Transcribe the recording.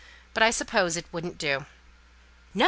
But I suppose it wouldn't do." "No!